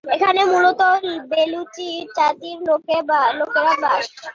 এখানে মূলত বেলুচি জাতির লোকের বাস।